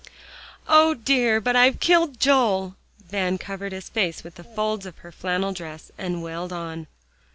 "O dear! but I've killed Joel." Van covered his face with the folds of her flannel dress and wailed on.